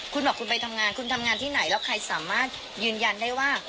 คุณบอกคุณไปทำงานคุณทำงานที่ไหนแล้วใครสามารถยืนยันได้ว่า